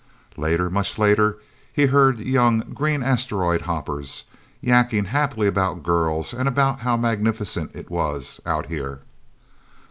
Later much later he heard young, green asteroid hoppers yakking happily about girls and about how magnificent it was, out here.